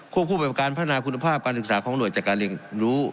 คู่ไปกับการพัฒนาคุณภาพการศึกษาของหน่วยจัดการเรียนรู้